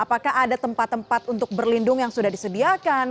apakah ada tempat tempat untuk berlindung yang sudah disediakan